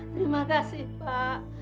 terima kasih pak